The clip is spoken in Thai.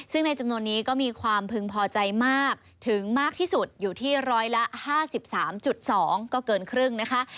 ซึ่งในจำนวนนี้ก็มีความพึงพอใจมากถึงมากที่สุดอยู่ที่ร้อยละ๕๓๒ก็เกินครึ่งนะคะ